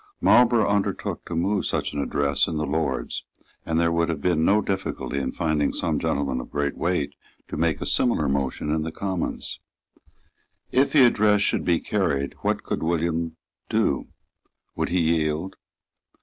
Marlborough undertook to move such an address in the Lords; and there would have been no difficulty in finding some gentleman of great weight to make a similar motion in the Commons. If the address should be carried, what could William do? Would he yield?